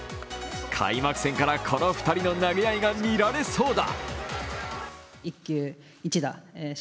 開幕戦からこの２人の投げ合いが見られそうだ。